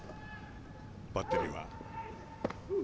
バッテリーは。